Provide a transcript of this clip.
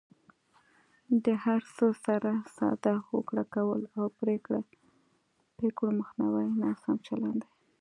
د هر څه سره ساده هوکړه کول او پرېکړو مخنیوی ناسم چلند دی.